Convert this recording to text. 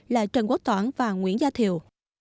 là trần quốc toản và nguyễn gia thiều